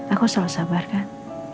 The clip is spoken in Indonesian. aku selalu sabarkan